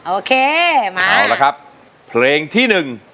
โอเคมาเอาละครับเพลงที่๑